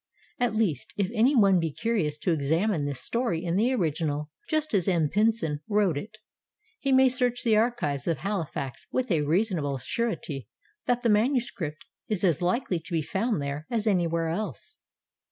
At least, if any one be curious to examine this story in the original, just as M. Pinson wrote it, he may search the archives of Halifax with a reasonable surety that the manuscript is as likely to be found there as anywhere else.